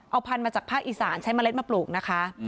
เอาพันธุ์มาจากภาคอีสานใช้เมล็ดมาปลูกนะคะ